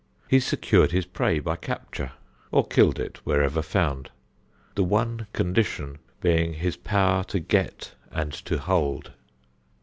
He secured his prey by capture, or killed it wherever found, the one condition being his power to get and to hold.